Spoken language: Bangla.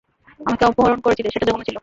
আমাকে অপহরণ করেছিলে, সেটা জঘন্য ছিল।